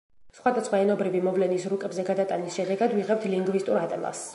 სხვადასხვა ენობრივი მოვლენის რუკებზე გადატანის შედეგად ვიღებთ ლინგვისტურ ატლასს.